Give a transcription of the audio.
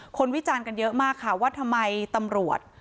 วิจารณ์กันเยอะมากค่ะว่าทำไมตำรวจ